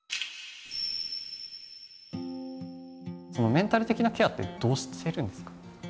メンタル的なケアってどうしてるんですか？